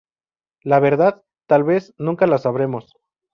La verdad, tal vez, nunca la sabremos.